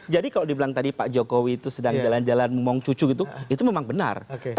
jadi kalau dibilang tadi pak jokowi itu sedang jalan jalan memong cucu gitu itu memang benar